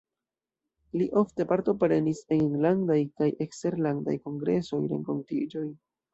Li ofte partoprenis en enlandaj kaj eksterlandaj kongresoj, renkontiĝoj.